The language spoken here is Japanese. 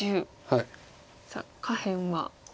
さあ下辺は？